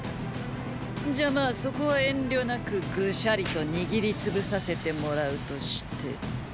んじゃまーそこは遠慮なくぐしゃりと握り潰させてもらうとして。！